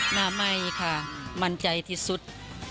หน้าไม่ค่ะมั่นใจที่สุด